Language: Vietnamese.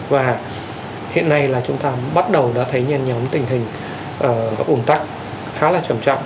và hiện nay là chúng ta bắt đầu đã thấy nhiều tình hình ủn tắc khá là trầm trọng